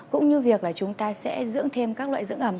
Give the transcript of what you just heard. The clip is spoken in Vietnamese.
cũng như việc là chúng ta sẽ dưỡng thêm các loại dưỡng ẩm